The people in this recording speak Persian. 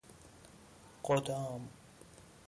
قدام